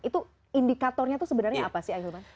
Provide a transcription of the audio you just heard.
itu indikatornya itu sebenarnya apa sih ahilman